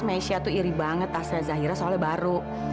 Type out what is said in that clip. misha tuh iri banget tasnya zairah soalnya baru